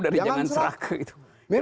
dari jangan serakah itu